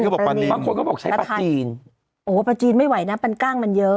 บอกปลาจีนบางคนก็บอกใช้ปลาจีนโอ้ปลาจีนไม่ไหวนะปันกล้างมันเยอะ